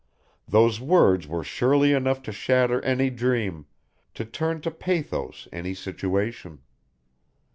Those words were surely enough to shatter any dream, to turn to pathos any situation.